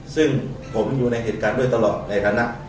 ซึ่งผมอยู่ในเหตุการณ์ด้วยตลอดในฐานะ